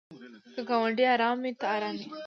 که ګاونډی ارام وي ته ارام یې.